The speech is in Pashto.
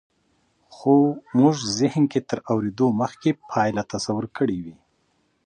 خو مونږ زهن کې تر اورېدو مخکې پایله تصور کړې وي